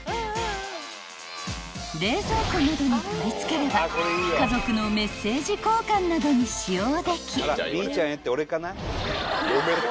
［冷蔵庫などに取り付ければ家族のメッセージ交換などに使用でき］